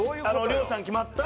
亮さん決まった。